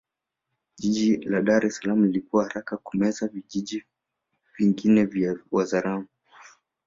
Jiji la Dar es Salaam lilikua haraka na kumeza vijiji vingi vya Wazaramo